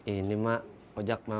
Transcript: ini mak ojak mau